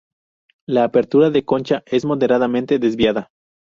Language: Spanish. La apertura de concha es moderadamente desviada.